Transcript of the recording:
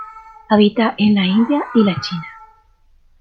Habita en la India y la China.